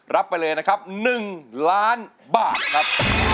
รับไปเลยนะครับ๑ล้านบาทครับ